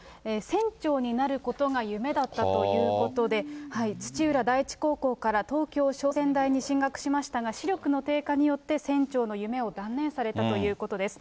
船長になることが夢だったということで、土浦第一高校から東京商船大に進学しましたが、視力の低下によって船長の夢を断念されたということです。